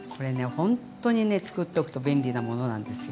ほんとにね作っておくと便利なものなんですよ。